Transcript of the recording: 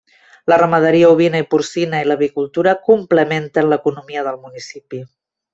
La ramaderia ovina i porcina i l'avicultura complementen l'economia del municipi.